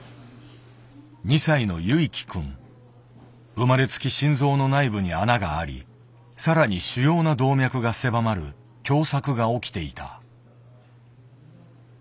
生まれつき心臓の内部に穴があり更に主要な動脈が狭まる「狭さく」が起きていた。